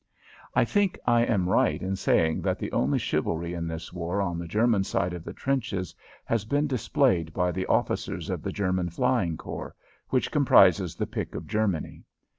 I think I am right in saying that the only chivalry in this war on the German side of the trenches has been displayed by the officers of the German Flying Corps, which comprises the pick of Germany.